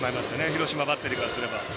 広島バッテリーからすれば。